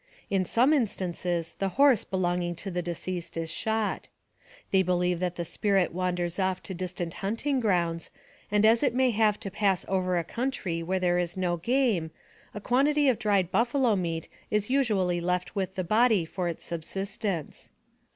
In some instances, the horse belonging to the deceased is shot. They be AMONG THE SIOUX INDIANS. lieve that the spirit wanders off to distant hunting grounds, and as it may have to pass over a country where there is no game, a quantity of dried buffalo meat is usually left with the body for its subsistence.